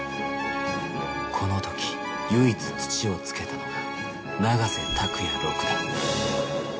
この時唯一土をつけたのが。